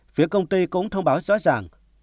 phía công ty cũng thông báo rõ ràng